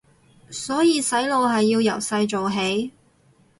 所以洗腦係要由細做起